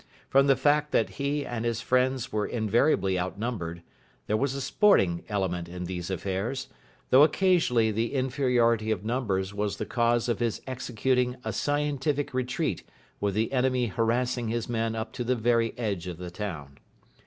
From the fact that he and his friends were invariably outnumbered, there was a sporting element in these affairs, though occasionally this inferiority of numbers was the cause of his executing a scientific retreat with the enemy harassing his men up to the very edge of the town.